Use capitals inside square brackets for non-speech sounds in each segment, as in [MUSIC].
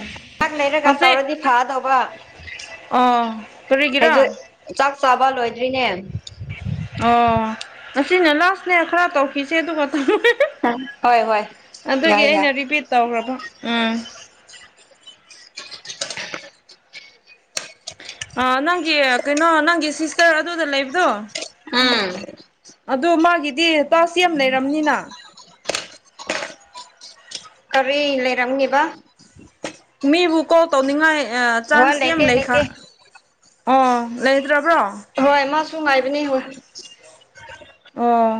ꯉꯥꯏꯍꯥꯛ ꯂꯩꯔꯒ ꯍꯧꯖꯤꯛ ꯇꯧꯔꯗꯤ ꯐꯥꯗꯧꯕ ꯑꯣ ꯍꯥꯏꯗꫭ ꯀꯔꯤꯒꯤꯔꯥ ꯆꯥꯛ ꯆꯥꯕ ꯂꯣꯏꯗ꯭ꯔꯤꯅꯦ꯫ ꯑꯣ ꯉꯁꯤꯅ ꯂꯥꯁꯅꯦ ꯈꯔ ꯇꯧꯈꯤꯁꯦ ꯑꯗꯨꯒ꯫ ꯍꯣꯏ ꯍꯣꯏ [UNINTELLIGIBLE] ꯑꯗꯨꯒꯤ ꯌꯥꯏ ꯌꯥꯏ ꯑꯩꯅ ꯔꯤꯄꯤꯠ ꯇꯧꯈ꯭ꯔꯕ ꯎꯝ꯫ ꯑ ꯅꯪꯒꯤ ꯀꯩꯅꯣ ꯅꯪꯒꯤ ꯁꯤꯁꯇꯔ ꯑꯗꯨꯗ ꯂꯩꯕꯗꯨ꯫ ꯎꯝ꯫ ꯑꯗꯨ ꯃꯥꯒꯤꯗꯤ ꯇꯥꯁ ꯌꯥꯝ ꯂꯩꯔꯝꯅꯤꯅ꯫ ꯀꯔꯤ ꯂꯩꯔꯝꯅꯤꯕꯥ꯫ ꯃꯤꯕꯨ ꯀꯣꯜ ꯇꯧꯅꯤꯡꯉꯥꯏ ꯑ ꯍꯣꯏ ꯆꯥꯟꯁ ꯌꯥꯝ ꯂꯩꯇꯦ ꯂꯩꯈ꯭ꯔ ꯂꯩꯇꯦ ꯑꯣ ꯂꯩꯗ꯭ꯔꯕ꯭ꯔꯣ꯫ ꯍꯣꯏ ꯃꯥꯁꯨ ꯉꯥꯏꯕꯅꯦ ꯍꯣꯏ꯫ ꯑꯣ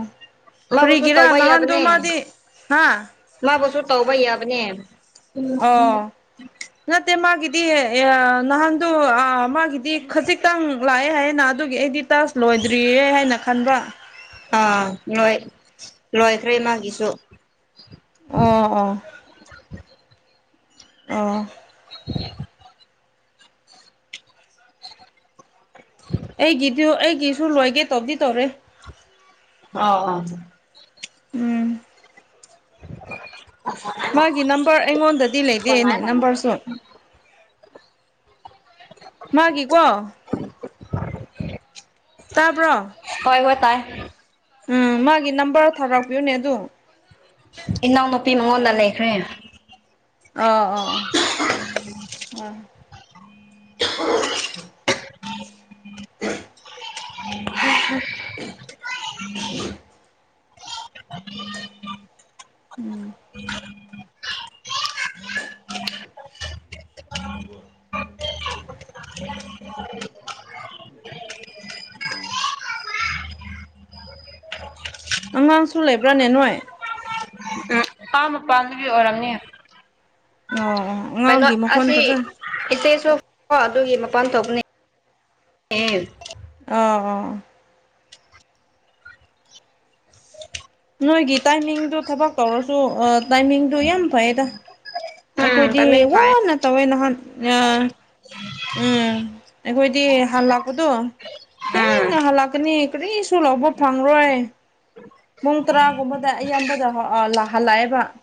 ꯃꯥꯕꯨꯁꯨ ꯀ꯭ꯔꯤꯒꯤꯔꯥ ꯇꯧꯕ ꯅꯍꯥꯟꯗꯨꯣ ꯌꯥꯕꯅꯦ ꯃꯥꯗꯤ ꯍꯥ ꯃꯥꯕꯨꯁꯨ ꯇꯧꯕ ꯌꯥꯕꯅꯦ꯫ ꯑꫭ꯫ ꯅꯠꯇꯦ ꯃꯥꯒꯤꯗꯤ ꯑꯌ ꯅꯍꯥꯟꯗꯨ ꯑ ꯃꯥꯒꯤꯗꯤ ꯈꯖꯤꯛꯇꯪ ꯂꯥꯛꯑꯦ ꯍꯥꯏꯌꯦꯅ ꯑꯗꯨꯒꯤ ꯑꯩꯗꯤ ꯇꯁ ꯂꯣꯏꯗ꯭ꯔꯤꯌꯦ ꯍꯥꯏꯅ ꯈꯟꯕ꯭ꯔꯥ ꯑꯥ ꯂꯣꯏ ꯂꯣꯏꯈ꯭ꯔꯦ ꯃꯥꯒꯤꯁꯨ ꯑꯣ ꯑꯣ ꯑꯣ [UNINTELLIGIBLE] ꯑꯩꯒꯤꯗꯨ ꯑꯩꯒꯤꯁꯨ ꯂꯣꯏꯒꯦ ꯇꯧꯕꯗꯤ ꯇꯧꯔꯦ ꯑ ꯑ ꯎꯝ ꯃꯥꯒꯤ ꯅꯝꯕꯔ ꯑꯩꯉꯣꯟꯗꯗꯤ ꯂꯩꯗꯦꯅꯦ ꯅꯝꯕꯔꯁꯨ ꯃꯥꯒꯤ ꯀꯣ [UNINTELLIGIBLE] ꯇꯥꯕ꯭ꯔꯣ ꯍꯣꯏ ꯍꯣꯏ ꯇꯥꯏ ꯎꯝ ꯃꯥꯒꯤ ꯅꯝꯕꯔ ꯊꯥꯔꯛꯄꯤꯌꯨꯅꯦ ꯑꯗꯨ ꯏꯅꯥꯎꯅꯨꯄꯤ ꯃꯉꯣꯟꯗ ꯂꯩꯈ꯭ꯔꯦ ꯑꯣ ꯑꯣ ꯎꯝ ꯎ ꯑ ꯎꯝ ꯎ ꯎꯝ ꯎꯝ ꯑꯉꯥꯡꯁꯨ ꯂꯩꯕ꯭ꯔꯥꯅꯦ ꯅꯣꯏ ꯑꯄꯥꯝ ꯃꯄꯥꯥꯟꯗꯨꯗꯤ ꯑꯣꯏꯔꯝꯅꯤ ꯑꯣ ꯑꯣ ꯑꯉꯥꯡꯒꯤ ꯃꯈꯣꯟ ꯐꯖꯅ ꯏꯆꯦꯁꯨꯣ ꯑꯗꯨꯒꯤ ꯃꯄꯥꯟ ꯊꯣꯛꯄꯅꯦ ꯑꯦ ꯑ ꯑ ꯅꯣꯏꯒꯤ ꯇꯥꯏꯃꯤꯡꯗꯨꯣ ꯊꯕꯛ ꯇꯧꯔꯁꯨ ꯇꯥꯏꯃꯤꯡꯗꯨ ꯌꯥꯝ ꯐꯩꯌꯦꯗ ꯎꯝ ꯑꯩꯈꯣꯏꯗꯤ ꯇꯃꯦꯡ ꯐꯥꯏ ꯋꯥꯅ ꯇꯧꯋꯦ ꯅꯍꯥꯟ ꯑ ꯎꯝ ꯑꯩꯈꯣꯏꯗꯤ ꯍꯥꯟ ꯂꯥꯛꯄꯗꯣ ꯊꯦꯡ ꯎꯝ ꯉꯍꯜꯂꯛꯀꯅꯤ ꯀꯔꯤꯁꯨ ꯂꯧꯕ ꯐꯪꯂꯔꯣꯏ ꯄꯨꯡ ꯇꯔꯥꯒꯨꯝꯕꯗ ꯑꯌꯥꯝꯕꯗ ꯂꯥꯛꯍꯜꯂꯛꯑꯦꯕ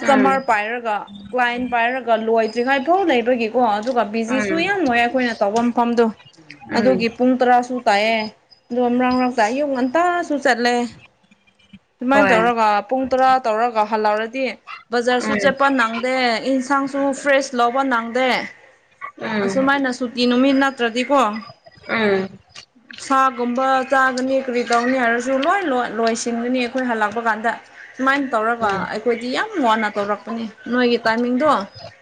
ꯎꯝ ꯄꯥꯏꯔꯒ ꯀ꯭ꯂꯥꯏꯟ ꯄꯥꯏꯔꯒ ꯂꯣꯏꯗ꯭ꯔꯤꯉꯩꯐꯥꯎ ꯂꯩꯕꯒꯤꯀꯣ ꯑꯗꯨꯒ ꯕꯤꯖꯤꯁꯨ ꯎꯝ ꯌꯥꯝꯉꯣꯏ ꯑꯩꯈꯣꯏꯅ ꯇꯧꯕ ꯃꯐꯝꯗꯣ ꯎꯝ ꯑꯗꯨꯒꯤ ꯄꯨꯡ ꯇꯔꯥ ꯇꯌꯦꯦ ꯑꯗꯨꯣ ꯑꯃꯔꯥꯎꯔꯥꯎ ꯇ ꯌꯨ ꯉꯟꯇꯥꯁꯨ ꯆꯠꯂꯦ ꯁꯨꯃꯥꯏꯅ ꯍꯣꯏ ꯇꯧꯔꯒ ꯄꯨꯡ ꯇꯔꯥ ꯇꯧꯔꯒ ꯍꯜꯂꯥꯎꯔꯗꯤ ꯕꯖꯥꯔꯁꯨ ꯎꯝ ꯆꯦꯠꯄꯜ ꯅꯪ ꯗꯦ ꯏꯟꯁꯥꯡꯁꯨ ꯐ꯭ꯔꯦꯁ ꯂꯧꯕ ꯅꯪꯗꯦ ꯎꯝ ꯑꯁꯨꯃꯥꯏꯅ ꯁꯨꯇꯤ ꯅꯨꯃꯤꯠ ꯅꯠꯇ꯭ꯔꯗꯤꯀꯣ ꯎꯝ ꯁꯥꯒꯨꯝꯕ ꯆꯥꯒꯅꯤ ꯀꯔꯤ ꯇꯧꯅꯤ ꯍꯥꯏꯔꯁꯨ ꯂꯣꯏ ꯂꯣꯏꯁꯤꯟꯒꯅꯤ ꯑꯩꯈꯣꯏ ꯍꯜꯂꯛꯄ ꯀꯥꯟꯗ ꯁꯨꯃꯥꯏꯅ ꯇꯧꯔꯒ ꯎꯝ ꯎꯝ ꯑꯩꯈꯣꯏꯗꯤ ꯌꯥꯝ ꯋꯥꯅ ꯇꯧꯔꯛꯄꯅꯤ ꯅꯣꯏꯒꯤ ꯇꯥꯏꯃꯤꯡꯗꯣ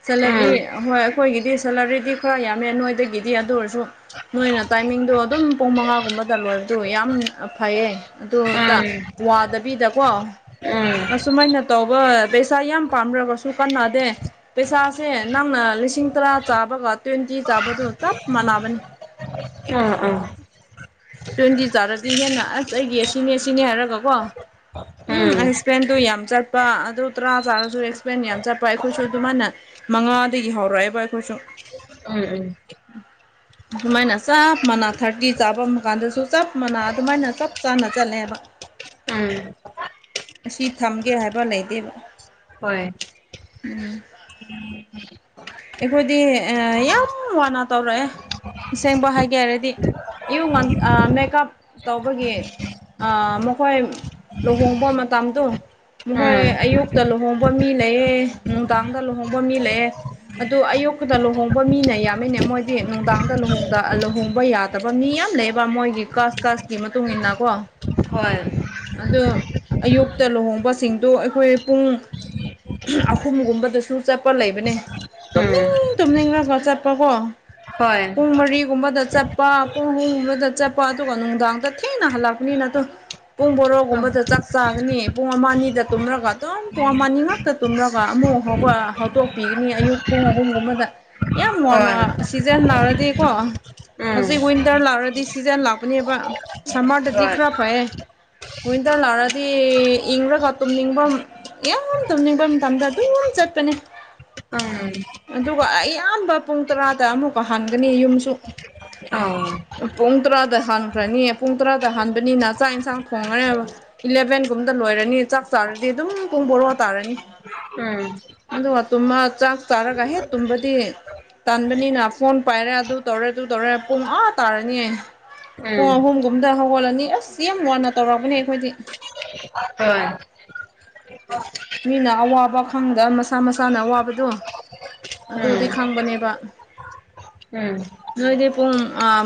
ꯁꯦꯂꯔꯤ ꯎꯝ ꯍꯣꯏ ꯑꯩꯈꯣꯏꯒꯤꯗꯤ ꯁꯦꯂꯔꯤꯗꯤ ꯈꯔ ꯌꯥꯝꯃꯦ ꯅꯣꯏꯗꯒꯤꯗꯤ ꯑꯗꯨ ꯑꯣꯏꯔꯁꯨ ꯅꯣꯏꯅ ꯇꯥꯏꯃꯤꯡꯗꯣ ꯑꯗꯨꯝ ꯄꯨꯡ ꯃꯉꯥꯒꯨꯝꯕꯗ ꯂꯣꯏꯕꯗꯨ ꯌꯥꯝ ꯐꯩꯌꯦ ꯎꯝ ꯑꯗꯨꯇꯥ ꯎꯝ ꯎꯝ ꯋꯥꯗꯕꯤꯗꯀꯣ ꯃꯁꯨꯃꯥꯏꯅ ꯇꯧꯕ ꯄꯩꯁꯥ ꯌꯥꯝ ꯄꯥꯝꯂ꯭ꯔꯒ ꯇꯨ ꯀꯥꯟ ꯅꯅꯥꯗꯦ ꯄꯩꯁꯥꯁꯦ ꯅꯪꯅ ꯂꯤꯁꯤꯡ ꯇꯔꯥ ꯆꯥꯕꯒ ꯇ꯭ꯋꯦꯟꯇꯤ ꯆꯥꯕꯗꯨ ꯆꯞ ꯃꯥꯟꯅꯕꯅꯤ ꯑꯥ ꯑꯥ ꯇ꯭ꯋꯦꯟꯇꯤ ꯇꯥꯔꯗꯤ ꯍꯦꯟꯅ ꯑꯁ ꯑꯩꯒꯤ ꯁꯤꯅꯦ ꯁꯤꯅꯦ ꯍꯥꯏꯔꯒꯀꯣ ꯎꯝ ꯑꯦꯛꯁꯄ꯭ꯂꯦꯟꯗꯨꯣ ꯌꯥꯝ ꯆꯠꯄ ꯑꯗꯨ ꯇꯔꯥ ꯆꯥꯔꯁꯨ ꯑꯦꯛꯁꯄ꯭ꯂꯦꯟ ꯌꯥꯝ ꯆꯠꯄ ꯑꯩꯈꯣꯏꯁꯨ ꯑꯗꯨꯃꯥꯏꯅ ꯃꯉꯥꯗꯒꯤ ꯍꯧꯔꯛꯑꯦꯕ ꯑꯩꯈꯣꯏꯁꯨ ꯎꯝ ꯎꯝ ꯁꯨꯃꯥꯏꯅ ꯆꯞ ꯃꯅꯥ ꯊꯥꯔꯇꯤ ꯆꯥꯐꯝ ꯀꯥꯟꯗꯁꯨ ꯆꯞ ꯃꯅꯥ ꯑꯗꯨꯃꯥꯏꯅ ꯆꯞ ꯆꯥꯅ ꯆꯠꯂꯦꯕ ꯎꯝ ꯑꯁꯤ ꯊꯝꯒꯦ ꯍꯥꯏꯕ ꯂꯩꯗꯦꯕ ꯍꯣꯏ ꯑꯩꯈꯣꯏꯗꯤ ꯌꯥꯝ ꯋꯥꯅ ꯇꯧꯔꯛꯑꯦ ꯁꯦꯡꯕ ꯍꯥꯏꯒꯦ ꯍꯥꯏꯔꯗꯤ ꯏꯌꯨ ꯃꯦꯀꯞ ꯇꯧꯕꯒꯤ ꯑ ꯃꯈꯣꯏ ꯂꯨꯍꯣꯡꯕ ꯃꯇꯝꯗꯣ ꯃꯈꯣꯏ ꯎꯝ ꯑꯌꯨꯛꯇ ꯂꯨꯍꯣꯡꯕ ꯃꯤ ꯂꯩꯑꯦ ꯅꯨꯡꯗꯥꯡꯗ ꯂꯨꯍꯣꯡꯕ ꯃꯤ ꯂꯩꯑꯦ ꯑꯗꯨ ꯑꯌꯨꯄꯗ ꯂꯨꯍꯣꯡꯕ ꯃꯤꯅ ꯌꯥꯝꯃꯤꯅꯦ ꯃꯣꯏꯗꯤ ꯅꯨꯡꯗꯥꯡꯗ ꯂꯨꯍꯣꯡ ꯂꯨꯍꯣꯡꯕ ꯌꯥꯗ ꯐꯠꯇꯕ ꯃꯤ ꯌꯥꯝ ꯂꯩꯕ ꯃꯣꯏꯒꯤ ꯀꯥꯁ ꯀꯥꯁꯀꯤ ꯃꯇꯨꯡ ꯏꯟꯅ ꯀꯣ ꯍꯣꯏ ꯑꯗꯣ ꯑꯌꯨꯛꯇ ꯂꯨꯍꯣꯡꯕꯁꯤꯡꯗꯣ ꯑꯩꯈꯣꯏ ꯄꯨꯡ ꯑꯍꯨꯝꯒꯨꯝꯕꯗꯨꯁꯨ ꯆꯠꯄ ꯂꯩꯕꯅꯦ ꯎꯝ ꯇꯨꯝꯅꯤꯡ ꯇꯨꯝꯅꯤꯡꯂꯒ ꯆꯠꯄꯀꯣ ꯍꯣꯏ ꯄꯨꯡ ꯃꯔꯤꯒꯨꯝꯕꯗ ꯆꯠ ꯄꯥ ꯄꯣ ꯍꯕ ꯆ ꯆ ꯄ ꯇ ꯀꯅꯨꯡꯗꯥꯥꯡꯗ ꯊꯦꯅ ꯍꯂꯛꯅꯤꯅ ꯇ ꯄꯨꯡ ꯎꯝ ꯕꯣꯔꯣꯒꯨꯝꯕꯗ ꯆꯥꯛ ꯆꯥꯒꯅꯤ ꯄꯨꯡ ꯑꯃ ꯑꯅꯤꯗ ꯇꯨꯝꯔꯒ ꯑꯗꯨꯝ ꯄꯨꯡ ꯑꯃ ꯑꯅꯤꯉꯥ ꯐꯛꯇ ꯇꯨꯝꯂꯒ ꯑꯃꯨꯛ ꯍꯧꯠꯇꯣꯛꯄꯤꯒꯅꯤ ꯑꯌꯨꯛ ꯄꯨꯡ ꯑꯍꯨꯝꯒꯨꯝꯕꯗ ꯌꯥꯝ ꯋꯥꯨꯟꯅ ꯍꯣꯏ ꯁꯤꯖꯟ ꯅꯥꯔꯗꯤꯀꯣ ꯎꯝ ꯍꯧꯖꯤꯛ ꯋꯤꯟꯇꯔ ꯂꯥꯛꯔꯗꯤ ꯁꯤꯖꯟ ꯂꯥꯛꯄꯅꯦꯕ ꯁꯝꯃꯔꯗꯗꯤ ꯍꯣꯏ ꯈꯔ ꯐꯩꯌꯦ ꯋꯤꯟꯇꯔ ꯂꯥꯛꯑꯗꯤ ꯏꯪꯔꯒ ꯇꯨꯝꯅꯤꯡꯕ ꯌꯥꯝ ꯇꯧꯅꯤꯡꯕ ꯃꯇꯝꯗ ꯑꯗꯨꯝ ꯆꯠꯄꯅꯦ ꯎꯝ ꯑꯗꯨꯒ ꯑꯌꯥꯝꯕ ꯄꯨꯡ ꯇꯔꯥꯗ ꯑꯃꯨꯛꯀ ꯍꯟꯒꯅꯤ ꯌꯨꯝꯁꯨ ꯑꯥ ꯄꯨꯡ ꯇꯔꯥꯗ ꯍꯥꯟꯈ꯭ꯔꯅꯤ ꯄꯨꯡ ꯇꯔꯥꯗ ꯍꯥꯟꯕꯅꯤꯅ ꯆꯥꯛ ꯏꯟꯁꯥꯡ ꯊꯣꯡꯈ꯭ꯔꯦꯕ ꯏꯂꯚꯦꯟꯒꯨꯝꯇ ꯂꯣꯏꯔꯅꯤ ꯆꯥꯛ ꯆꯥꯔꯗꯤ ꯑꯗꯨꯝ ꯄꯨꯡ ꯕꯣꯔꯣ ꯇꯥꯔꯅꯤ ꯎꯝ ꯎꯝ ꯍꯣꯏ ꯑ ꯇꯨꯝꯃ ꯆꯥꯛ ꯆꯥꯔꯒ ꯍꯦ ꯇꯨꯝꯕꯗꯤ ꯇꯥꯟꯕꯅꯤꯅ ꯐꯣꯟ ꯄꯥꯏꯔꯦ ꯑꯗꯨ ꯇꯧꯔꯦ ꯑꯗꯨ ꯇꯧꯔꯦ ꯄꯨꯡ ꯑꯥ ꯇꯥꯔꯅꯤ ꯑꯩ ꯄꯨꯡ ꯑꯍꯨꯝꯒꯨꯝꯗ ꯍꯧꯒꯠꯂꯅꯤ ꯑꯁ ꯌꯥꯝ ꯋꯥꯟꯅ ꯇꯧꯔꯛꯄꯅꯦ ꯑꯩꯈꯣꯏꯗꯤ ꯍꯣꯏ ꯃꯤꯅ ꯑꯋꯥꯕ ꯈꯪꯗ ꯃꯁꯥ ꯃꯁꯥꯅ ꯑꯋꯥꯕꯗꯣ ꯎꯝ ꯑꯗꯨꯗꯤ ꯈꯪꯕꯅꯦꯕ ꯎꯝ ꯅꯣꯏꯗꯤ ꯄꯨꯡ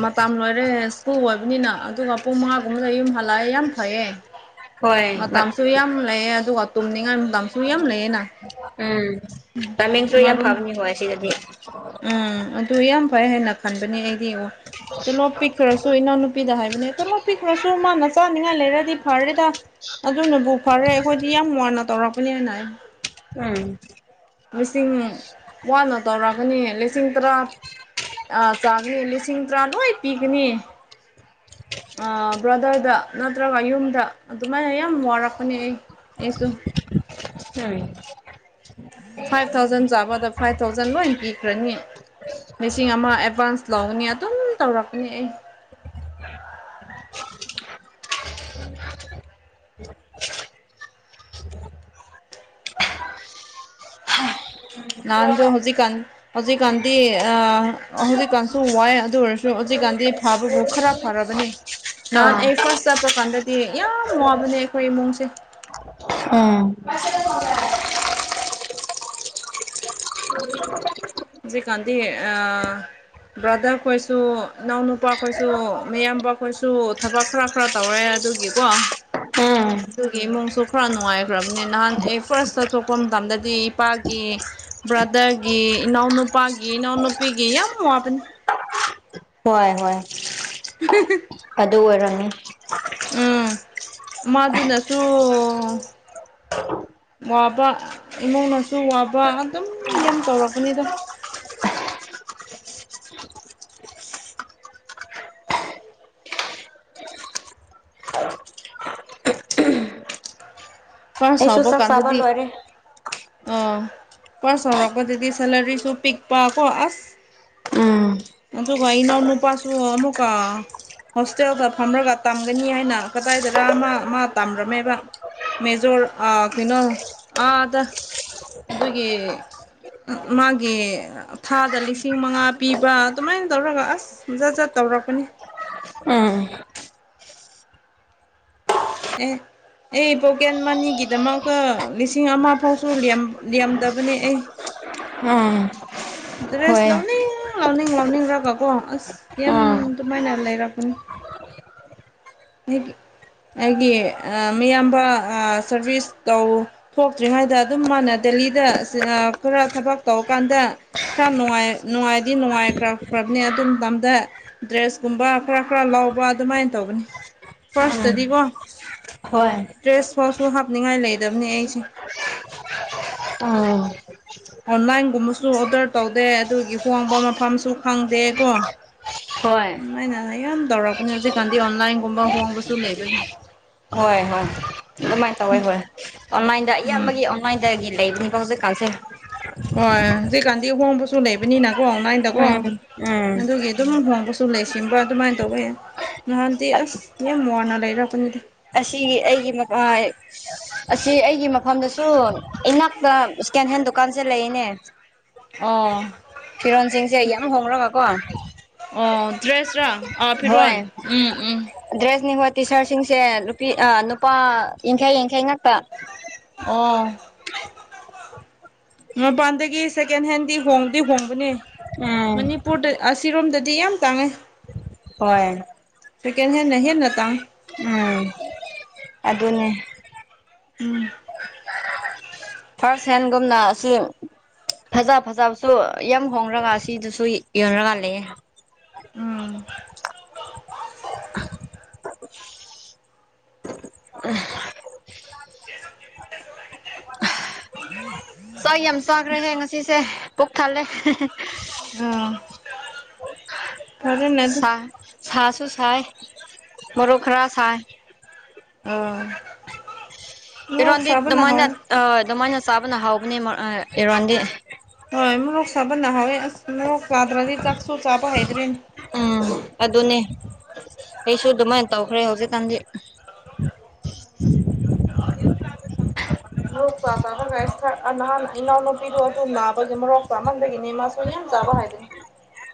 ꯃꯇꯝ ꯂꯣꯏꯔꯦ ꯁ꯭ꯀꯨꯜ ꯑꯣꯏꯕꯅꯤꯅ ꯑꯗꯨꯒ ꯄꯨꯡ ꯃꯉꯥꯒꯨꯝꯕꯗ ꯌꯨꯝ ꯍꯜꯂꯛꯑꯦ ꯌꯥꯝ ꯐꯌꯦꯦ ꯍꯣꯏ ꯃꯇꯝꯁꯨ ꯌꯥꯝ ꯂꯩꯑꯦ ꯑꯗꯨꯒ ꯇꯨꯝꯅꯤꯡꯉꯥꯏ ꯃꯇꯝꯁꯨ ꯌꯥꯝ ꯂꯩꯑꯅ ꯎꯝ ꯇꯥꯏꯃꯤꯡꯁꯨ ꯌꯥꯝ ꯃꯔꯔꯨꯝ ꯐꯕꯅꯤ ꯍꯣꯏ ꯑꯁꯤꯗꯗꯤ ꯎꯝ ꯑꯗꯨ ꯌꯥꯝ ꯐꯩ ꯍꯥꯏꯅ ꯈꯟꯕꯅꯦ ꯑꯩꯗꯤ ꯇꯣꯂꯣꯞ ꯄꯤꯈ꯭ꯔꯁꯨ ꯏꯅꯥꯎꯅꯨꯄꯤꯗ ꯍꯥꯏꯕꯅꯦ ꯇꯣꯂꯣꯞ ꯄꯤꯈ꯭ꯔꯁꯨ ꯃꯥꯅ ꯆꯥꯅꯤꯡꯉꯥꯏ ꯂꯩꯔꯗꯤ ꯐꯔꯦꯗ ꯑꯗꯨꯅꯕꯨ ꯐꯔꯦ ꯑꯩꯈꯣꯏꯗꯤ ꯌꯥꯝ ꯋꯥꯟꯅ ꯇꯧꯔꯛꯄꯅꯦꯅ ꯍꯥꯏ ꯎꯝ ꯂꯤꯁꯤꯡ ꯋꯥꯅ ꯇꯧꯔꯛꯒꯅꯤ ꯂꯤꯁꯤꯡ ꯇꯔꯥ ꯑ ꯆꯒꯅꯤ ꯂꯤꯁꯤꯡ ꯇ꯭ꯔꯥꯅꯣꯏ ꯄꯤꯛꯅꯤ ꯕ꯭ꯔꯗꯔꯗ ꯅꯠꯇ꯭ꯔꯒ ꯌꯨꯝꯗ ꯑꯗꯨꯃꯥꯏꯅ ꯌꯥꯝ ꯋꯥꯔꯛꯄꯅꯦ ꯑꯩ ꯑꯦꯁꯨ ꯎꯝ ꯐꯥꯏꯚ ꯊꯥꯎꯖꯟ ꯆꯥꯕꯗ ꯐꯥꯏꯚ ꯊꯥꯎꯖꯟ ꯂꯣꯏ ꯄꯤꯈ꯭ꯔꯅꯤ ꯃꯤꯁꯤꯡ ꯑꯃ ꯑꯦꯗꯚꯥꯟꯁ ꯂꯧꯅꯤ ꯑꯗꯨꯝ ꯇꯧꯔꯛꯄꯅꯤ ꯑꯩ ꯅꯥꯟꯗ ꯍꯧꯖꯤꯛ ꯀꯥꯟ ꯍꯧꯖꯤꯛꯀꯥꯟꯗꯤ ꯍꯧꯖꯤꯛꯀꯥꯟꯁꯨ ꯋꯥꯏ ꯑꯗꯨ ꯑꯣꯏꯔꯁꯨ ꯍꯧꯖꯤꯛꯀꯥꯟꯗꯤ ꯐꯕꯕꯨ ꯈꯔ ꯐꯔꯕꯅꯦ ꯑ ꯅꯍꯥꯟ ꯑꯩ ꯐꯥꯔꯁ ꯆꯠꯄ ꯀꯥꯟꯗꯗꯤ ꯌꯥꯝ ꯋꯥꯕꯅꯦ ꯑꯩꯈꯣꯏ ꯏꯃꯨꯡꯁꯦ ꯎꯝ ꯁꯤꯖꯤ ꯀꯥꯟꯤ ꯑ ꯕ꯭ꯔꯥꯗꯔ ꯈꯣꯏꯁꯨ ꯏꯅꯥꯎꯅ ꯅꯨꯄꯥꯈꯣꯏꯁꯨ ꯃꯤꯌꯥꯝꯕꯈꯣꯏꯁꯨ ꯊꯕꯛ ꯈꯔ ꯈꯔ ꯇꯧꯔꯦ ꯑꯗꯨꯒꯤꯀꯣ ꯎꯝ ꯑꯗꯨꯒꯤ ꯏꯃꯨꯡꯁꯨ ꯈꯔ ꯅꯨꯡꯉꯥꯏꯈ꯭ꯔꯕꯅꯤ ꯅꯍꯥꯟ ꯑꯩ ꯐꯥꯔꯁꯇ ꯊꯣꯛꯄ ꯃꯇꯝꯗꯗꯤ ꯏꯄꯥꯒꯤ ꯕ꯭ꯔꯥꯗꯔꯒꯤ ꯏꯅꯥꯎ ꯅꯨꯄꯥꯒꯤ ꯏꯅꯥꯎ ꯅꯨꯄꯤꯒꯤ ꯌꯥꯝ ꯋꯥꯄ ꯍꯣꯏ ꯍꯣꯏ [UNINTELLIGIBLE] ꯑꯗꯨ ꯑꯣꯏꯔꯅꯤ ꯎꯝ ꯃꯗꯨꯅꯁꯨ ꯋꯥꯕ ꯏꯃꯨꯡꯅꯁꯨ ꯋꯥꯕ ꯑꯗꯨꯝ ꯌꯥꯝ ꯇꯧꯔꯛꯄꯅꯤꯗꯣ ꯐꯥꯔꯁ ꯑꯩꯁꯨ ꯆꯥꯛ ꯆꯥꯕ ꯂꯣꯏꯔꯦ ꯑ ꯄꯁ ꯍꯔ ꯀꯧꯕ ꯇꯗꯤ ꯁꯦꯂꯔꯤꯁꯨ ꯄꯤꯛ ꯄꯀ ꯑꯁ ꯎꯝ ꯇꯨꯒ ꯏ ꯅꯅꯥꯎꯅ ꯄꯥꯁꯅꯨ ꯀ ꯍꯣꯁꯇꯦꯜꯗ ꯐꯝꯔꯒ ꯇꯝꯒꯅꯤ ꯍꯥꯏꯅ ꯀꯗꯥꯏꯗꯔ ꯑꯃ ꯃꯥ ꯇꯝꯔꯝꯃꯦꯕ ꯃꯦꯖꯣꯔ ꯑ ꯀꯩꯅꯣ ꯑꯥ ꯑꯗ ꯑꯗꯨꯒꯤ ꯃꯥꯒꯤ ꯊꯥꯗ ꯂꯤꯁꯤꯡ ꯃꯉꯥ ꯄꯤꯕ ꯑꯗꯨꯃꯥꯏꯅ ꯇꯧꯔꯒ ꯑꯁ ꯖꯠ ꯖꯠ ꯇꯧꯔꯛꯄꯅꯤ ꯎꯝ ꯎ ꯑꯩ ꯕꯣꯀꯦꯟ ꯃꯅꯤꯒꯤꯗꯃꯀ ꯂꯤꯁꯤꯡ ꯑꯃ ꯐꯥꯎꯁꯨ ꯂꯗꯕꯅꯦ ꯑꯩ ꯎꯝ ꯗ꯭ꯔꯦꯁ ꯍꯣꯏ ꯂꯧꯅꯤꯡ ꯂꯥꯎꯅꯤꯡ ꯂꯥꯎꯅꯤꯡꯈꯒꯀꯣ ꯑꯁ ꯌꯥꯝ ꯎꯝ ꯑꯗꯨꯃꯥꯏꯅ ꯂꯩꯔꯛꯄꯅꯤ ꯑꯩꯒꯤ ꯑꯩꯒꯤ ꯃꯤꯌꯥꯝꯕ ꯁꯔꯚꯤꯁ ꯇꯧ ꯊꯣꯛꯇ꯭ꯔꯤꯉꯩꯗ ꯑꯗꯨꯝ ꯃꯥꯅ ꯗꯦꯜꯂꯤꯗ ꯈꯔ ꯊꯕꯛ ꯇꯧꯔꯀꯥꯟꯗ ꯈꯔ ꯅꯨꯡꯉꯥꯏ ꯅꯨꯡꯉꯥꯏꯗꯤ ꯅꯨꯡꯉꯥꯏꯈ꯭ꯔꯈ꯭ꯔꯕꯅꯤ ꯑꯗꯨ ꯃꯇꯝꯗ ꯗ꯭ꯔꯦꯁ ꯀꯨꯝꯕ ꯈꯔ ꯈꯔ ꯂꯥꯎꯕ ꯑꯗꯨꯃꯥꯏꯅ ꯇꯧꯧꯕꯅꯤ ꯎꯝ ꯐꯔꯁꯇꯗꯤꯕꯣ ꯍꯣꯏ ꯗ꯭ꯔꯦꯁ ꯐꯁꯨ ꯍꯥꯞꯅꯤꯡꯉꯥꯏ ꯂꯩꯗꯕꯅꯦ ꯑꯩꯁꯦ ꯑ ꯑꯣꯟꯂꯥꯏꯟꯒꯨꯝꯕꯁꯨ ꯑꯣꯗꯔ ꯇꯧꯗꯦ ꯑꯗꯨꯒꯤ ꯍꯣꯡꯕ ꯃꯐꯝꯁꯨ ꯈꯪꯗꯦ ꯀꯣ ꯍꯣꯏ ꯍꯣꯏ ꯎꯝ ꯑꯩꯅ ꯌꯥꯝ ꯇꯧꯔꯛꯄꯅꯦ ꯍꯧꯖꯤꯛꯀꯥꯟꯗꯤ ꯑꯣꯟꯂꯥꯏꯟꯒꯨꯝꯕ ꯍꯣꯡꯕꯁꯨ ꯂꯩꯕꯒꯤ ꯍꯣꯏ ꯍꯣꯏ ꯑꯗꯨꯃꯥꯏꯅ ꯇꯧꯋꯦ ꯍꯣꯏ ꯑꯣꯟꯂꯥꯏꯟꯗ ꯑꯌꯥꯝꯕꯒꯤ ꯃꯥꯏꯗꯒ ꯂꯩ ꯀꯗ ꯀꯜꯁꯦ ꯑꯣ ꯁꯤꯀꯥꯟꯗꯤ ꯍꯣꯡꯕꯁꯨ ꯂꯩꯕꯅꯤꯅꯀꯣ ꯅꯥꯏꯟꯗꯀꯣ ꯎꯝ ꯎꯝ ꯑꯗꯨꯒꯤ ꯑꯗꯨꯝ ꯍꯣꯡꯕꯁꯨ ꯂꯩ ꯁꯤꯕ ꯑꯗꯨꯃꯥꯏꯅ ꯇꯧꯕ ꯌꯥꯏ ꯅꯍꯥꯟꯗꯤꯦ ꯌꯥ ꯃꯅ ꯂꯩꯔꯀꯅꯤꯗꯤ ꯑꯁꯤꯒꯤ ꯑꯩꯒꯤ ꯑꯁꯤ ꯑꯩꯒꯤ ꯃꯐꯝꯗꯁꯨ ꯏꯅꯥꯛ ꯁꯀꯦꯟ ꯍꯦꯟ ꯗꯨꯀꯥꯟꯁꯦ ꯂꯩꯅꯦ ꯑꯣ ꯀꯤꯔꯟ ꯁꯤꯡꯁꯦ ꯑꯩꯌꯥ ꯑꯃ ꯍꯣꯡꯈ꯭ꯔꯕꯀꯣ ꯑꯣ ꯗ꯭ꯔꯦꯁꯔꯥ ꯑꯥ ꯍꯣꯏ ꯐꯤꯔꯣꯟ ꯎꯝ ꯎꯝ ꯗ꯭ꯔꯦꯁꯅꯤꯈꯣ ꯇꯤ ꯁꯥꯔꯠꯁꯤꯡꯁꯦ ꯅꯨꯄꯤ ꯅꯨꯄꯥ ꯌꯥꯡꯈꯩ ꯌꯥꯡꯈꯩ ꯉꯛꯇ ꯑꯣꯝ ꯃꯄꯥꯟꯗꯒꯤ ꯁꯦꯀꯦꯟ ꯍꯦꯟꯗꯤ ꯍꯣꯡꯗꯤ ꯍꯣꯡꯕꯅꯦ ꯎꯝ ꯃꯅꯤꯄꯨꯔꯗ ꯑꯁꯤꯔꯣꯝꯗꯗꯤ ꯌꯥꯝ ꯇꯥꯡꯉꯩ ꯍꯣꯏ ꯁꯀꯦꯟ ꯍꯦꯟ ꯅꯍꯦ ꯅꯠꯇ ꯎꯝ ꯑꯗꯨ ꯑꯗꯨꯅꯦ ꯎꯝ ꯐꯥꯔꯁ ꯍꯦꯟꯒꯨꯝꯅ ꯑꯁꯤ ꯐꯖ ꯐꯖꯕꯁꯨ ꯌꯥꯝ ꯍꯣꯡꯔꯒ ꯁꯤꯗꯨꯁꯨ ꯌꯣꯟꯔꯒ ꯂꯩꯌꯦ ꯎꯝ ꯍ ꯁ ꯑ ꯆꯥꯈ꯭ꯔꯦꯍꯦ ꯉꯁꯤꯁꯦ ꯄꯨꯛ ꯊꯥꯜꯂꯦ ꯎꯝ ꯁꯥ ꯁꯥꯁꯨ ꯁꯥꯏ ꯃꯔꯣꯔꯨꯞ ꯈꯔ ꯁꯥꯏ ꯑꯣꯝ ꯏꯔꯣꯟꯗꯤ ꯗꯃꯥꯏꯅ ꯑ ꯗꯃꯥꯏꯅ ꯆꯥꯕꯅ ꯍꯥꯎꯒꯅꯦ ꯏꯔꯟꯗꯤ ꯍꯣꯏ ꯃꯣꯔꯣꯛ ꯁꯥꯥꯕ ꯅꯍꯥꯎꯋꯏ ꯑꯁ ꯃꯣꯔꯣꯛ ꯆꯥꯗ꯭ꯔꯗꯤ ꯆꯥꯛꯁꯨ ꯆꯥꯕ ꯍꯩꯗ꯭ꯔꯦꯅꯦ ꯎꯝ ꯑꯗꯨꯅꯦ ꯑꯩꯁꯨ ꯑꯗꯨꯃꯥꯏꯅ ꯇꯧꯈ꯭ꯔꯦ ꯍꯧꯖꯤꯛꯀꯥꯟꯗꯤ ꯭ꯔꯥꯒ [INAUDIBLE] ꯃꯣꯔꯣꯛ ꯆꯥ ꯇꯔꯒ ꯅꯍꯥꯟ ꯏꯅꯥꯎꯅ ꯅꯨꯄꯤꯗꯣ ꯑꯗꯨ ꯅꯥꯕꯒꯤ ꯃꯣꯔꯣꯛ ꯆꯥꯃꯟꯗꯒꯤꯅꯤ ꯃꯥꯁꯨ ꯌꯥꯝ ꯆꯥꯕ ꯍꯥꯏꯗꯣꯏꯅꯤ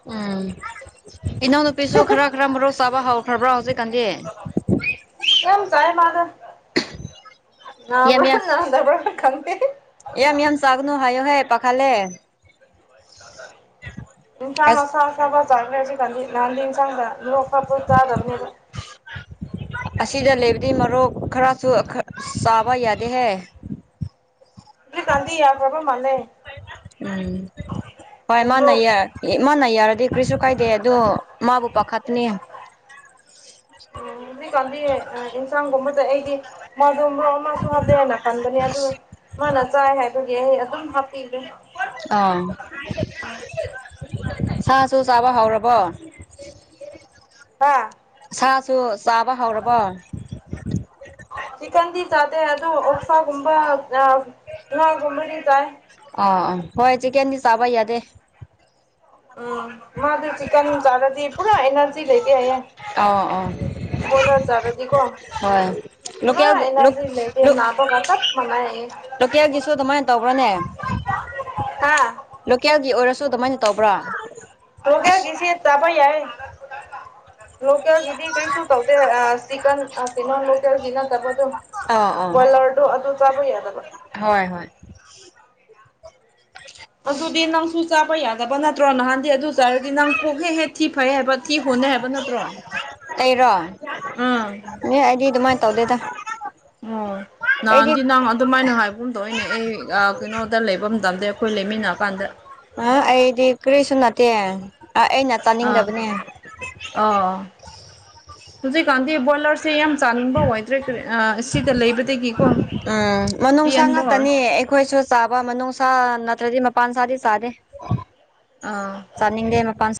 ꯎꯝ ꯏꯅꯥꯎꯅꯨꯄꯤꯁꯨ ꯈꯔ ꯈꯔ ꯃꯔꯣꯛ ꯆꯥꯕ ꯍꯧꯈ꯭ꯔꯕ꯭ꯔꯥ ꯍꯧꯖꯤꯛꯀꯥꯟꯗꯤ ꯌꯥꯝ ꯆꯥꯏ ꯃꯥꯗ ꯌꯥꯝ ꯌꯥꯝ ꯅꯗꯕ꯭ꯔ ꯀꯝꯇꯦ ꯌꯥꯝ ꯌꯥꯝ ꯆꯥꯒꯅꯣ ꯍꯥꯏꯌꯣ ꯍꯥꯏꯦ ꯄꯥꯈꯥꯂꯦ ꯏꯝ ꯆꯥꯡ ꯑꯁ ꯑꯕ ꯆꯁꯤꯗꯤ ꯂꯥꯟꯅ ꯆꯥꯡꯗ ꯅꯣꯛꯈ ꯄꯣꯏ ꯆꯥꯗꯔꯅꯦꯕ ꯑꯁꯤꯗ ꯂꯩꯕꯗꯤ ꯃꯔꯣꯛ ꯈꯔꯁꯨ ꯆꯥꯕ ꯌꯥꯗꯦꯍꯦ ꯑꯗꯨ ꯀꯥꯟꯗꯤꯤ ꯌꯥ ꯌꯥꯝ ꯄꯣꯕ꯭ꯂꯦꯝ ꯃꯥꯅꯦꯦ ꯎꯝ ꯍ ꯏꯃꯥ ꯃꯣꯔꯣꯛ ꯅꯔ ꯑꯦ ꯃꯥꯅ ꯌꯥꯔꯗꯤ ꯀꯔꯤꯁꯨ ꯀꯥꯏꯗꯦ ꯑꯗꯣ ꯃꯥꯕꯨ ꯄꯥꯈꯠꯇꯅꯦ ꯎꯝ ꯍꯧꯖꯤꯛꯀꯥꯟꯗꯤ ꯏꯟꯁꯥꯡꯒꯨꯝꯕꯗ ꯑꯩꯗꯤ ꯃꯗꯨ ꯃ ꯃꯥꯁꯨ ꯍꯥꯗꯦꯅ ꯈꯟꯕꯅꯤ ꯑꯗꯨ ꯃꯥꯅ ꯆꯥꯏ ꯍꯥꯏꯕꯒꯤ ꯑꯩ ꯑꯗꯨꯝ ꯍꯥꯞꯄꯤꯒꯦ ꯑꯥ ꯁꯥꯁꯨ ꯆꯥꯕ ꯍꯧꯥꯎꯔꯕꯣ ꯍꯥꯥ ꯁꯨ ꯆꯥꯕ ꯍꯧꯔꯕꯣ ꯆꯤꯛꯀꯟꯗꯤ ꯆꯥꯗꯦ ꯑꯗꯨ ꯑꯣꯐꯥꯒꯨꯝꯕ ꯎꯍꯥꯒꯨꯝꯕꯗꯤ ꯆꯥꯏ ꯑ ꯑ ꯍꯣꯏ ꯆꯦ ꯀꯗꯤ ꯆꯥꯕ ꯏꯌꯥꯗꯦ ꯎꯝ ꯃꯥꯗꯨꯔꯤ ꯆꯤꯛꯟ ꯆꯔꯗꯤ ꯄꯨꯔꯥ ꯑꯦꯅꯔꯖꯤ ꯂꯩꯇ ꯑꯌꯦꯦ ꯑ ꯑꯥ ꯣꯂꯔ ꯆꯥꯒꯗꯤ ꯀꯣ ꯍꯣꯏ ꯂꯣꯀꯦꯜ ꯅꯥꯕꯒ ꯆꯞ ꯃꯥꯟꯅꯩ ꯍꯥꯏꯌꯦ ꯂꯣꯀꯦꯜꯒꯤꯁꯨ ꯑꯗꯨꯃꯥꯏꯅ ꯇꯧꯕ꯭ꯔꯥꯅꯦ ꯍ ꯑꯥ ꯂꯣꯀꯦꯜꯒꯤ ꯑꯣꯏꯔꯁꯨ ꯑꯗꯨꯃꯥꯏꯅ ꯇꯧꯕ꯭ꯔꯥ ꯍꯧꯒꯌꯥ ꯀꯁꯤ ꯇꯕ ꯌꯥꯏ ꯂꯣꯀꯦꯜ ꯤꯗꯤ ꯀꯔꯤ ꯁ ꯇꯧ ꯆ ꯅ ꯂꯣꯀꯦꯜꯤꯗ ꯇꯃꯗꯨ ꯑꯥ ꯑꯥ ꯃꯂꯔꯗ ꯑꯗꯨ ꯆꯕꯩꯔꯂ ꯍꯣꯏ ꯍꯣꯏ ꯑꯗꯨꯗꯤ ꯅꯪꯁꯨ ꯆꯥꯕ ꯌꯥꯗꯕ ꯅꯠꯇ꯭ꯔꯣ ꯅꯍꯥꯟꯗꯤ ꯑꯗꯨ ꯆꯥꯔꯗꯤ ꯅꯪ ꯄꯣꯛ ꯍꯦꯛ ꯍꯦꯛ ꯊꯤ ꯐꯩ ꯍꯥꯏꯕ ꯊꯤ ꯍꯨꯟꯅꯦ ꯍꯥꯏꯕ ꯅꯠꯇ꯭ꯔꯣ ꯑꯩꯔꯣ ꯑꯥ ꯑꯦ ꯑꯩꯗꯤ ꯑꯗꯨꯃꯥꯏꯅ ꯇꯧꯗꯦꯗ ꯑꯣ ꯑꯩꯗꯤ ꯅꯍꯥꯟꯗꯤ ꯅꯪ ꯑꯗꯨꯃꯥꯏꯅ ꯍꯥꯏꯕ ꯑꯗꯨꯝ ꯑꯩ ꯀꯩꯅꯣꯗ ꯂꯩꯕ ꯃꯇꯝꯗ ꯑꯩꯈꯣꯏ ꯂꯩꯃꯤꯟꯅꯔ ꯀꯥꯟꯗ ꯑ ꯑꯩꯗꯤ ꯀꯔꯤꯁꯨ ꯅꯠꯇꯦ ꯑꯩꯅ ꯆꯥꯅꯤꯡꯗꯕꯅꯦ ꯑ ꯍꯧꯖꯤꯛꯀꯥꯟꯗꯤ ꯄꯣꯢꯂꯥꯔ ꯁꯤ ꯌꯥꯝ ꯆꯥꯅꯤꯡꯕ ꯑꯣꯏꯗ꯭ꯔꯦ ꯁꯤꯗ ꯂꯩꯕꯗꯒꯤꯀꯣ ꯄꯤꯍꯟꯕ ꯍꯧꯔꯣ ꯌꯦ ꯑꯩꯈꯣꯏꯁꯨ ꯆ ꯆꯥꯕ ꯃꯅꯨꯡ ꯁꯥ ꯅꯠꯇ꯭ꯔꯗꯤ ꯃꯄꯥꯟ ꯁꯥꯗꯤ ꯆꯥꯗꯦ ꯑꯥ ꯆꯅꯤꯡꯗꯦ ꯃꯄꯥꯟ